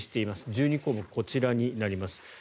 １２項目、こちらになります。